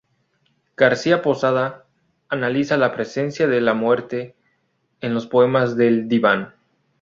García-Posada analiza la presencia de la muerte en los poemas del "Diván".